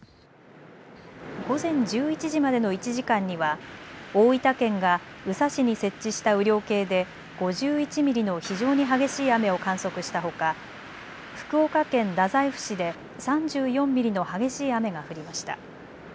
午前１１時までの１時間には大分県が宇佐市に設置した雨量計で５１ミリの非常に激しい雨を観測したほか、福岡県太宰府市で３４ミリの激しい雨が降りました。